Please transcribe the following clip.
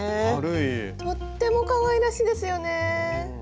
とってもかわいらしいですよね。